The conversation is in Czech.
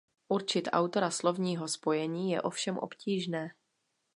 Určit autora slovního spojení je ovšem obtížné.